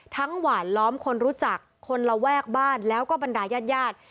หวานล้อมคนรู้จักคนระแวกบ้านแล้วก็บรรดายาด